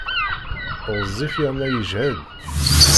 Ɣezzif yerna yejhed.